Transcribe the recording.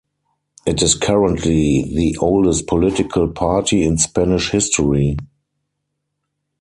It is the currently the oldest political party in Spanish history.